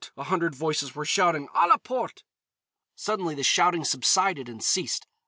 a hundred voices were shouting; "à la porte!" Suddenly the shouting subsided and ceased.